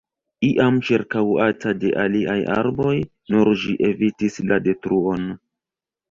Iam ĉirkaŭata de aliaj arboj, nur ĝi evitis la detruon.